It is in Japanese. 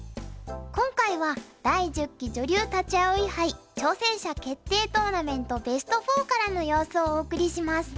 今回は第１０期女流立葵杯挑戦者決定トーナメントベスト４からの様子をお送りします。